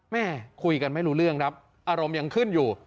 แม่คุยกันไม่รู้เรื่องครับอารมณ์ยังขึ้นอยู่